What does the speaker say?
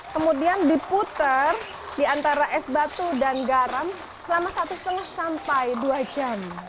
kemudian diputer di antara es batu dan garam selama satu lima sampai dua jam